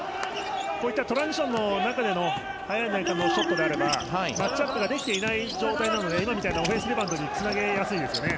こういったトランジションの中での早い段階のショットであればマッチアップができていない状態なので今みたいなオフェンスリバウンドにつなげやすいですよね。